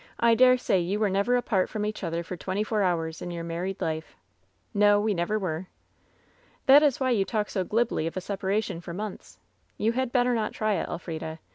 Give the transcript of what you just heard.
I dare swear you were never apart from each other for twenty four hours in your married life." "N*o ; we never wete." "That is why you talk so glibly of a separation for months. You had better not try it, Elfrida.